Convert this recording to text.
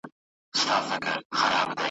اوښ به ولي په سرو سترګو نه ژړیږي ,